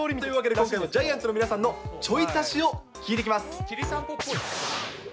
今回はジャイアンツの皆さんのちょい足しを聞いてきます。